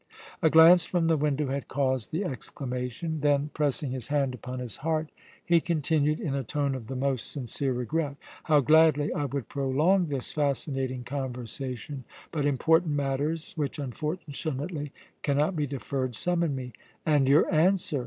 A glance from the window had caused the exclamation. Then, pressing his hand upon his heart, he continued in a tone of the most sincere regret: "How gladly I would prolong this fascinating conversation, but important matters which, unfortunately, cannot be deferred, summon me " "And your answer?"